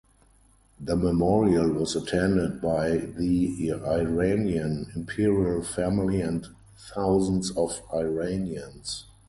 The memorial was attended by the Iranian imperial family and thousands of Iranians.